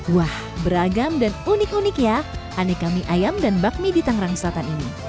wah beragam dan unik unik ya aneka mie ayam dan bakmi di tangerang selatan ini